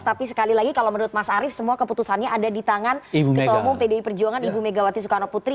tapi sekali lagi kalau menurut mas arief semua keputusannya ada di tangan ketua umum pdi perjuangan ibu megawati soekarno putri